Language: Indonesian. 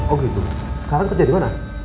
oh gitu sekarang kerja dimana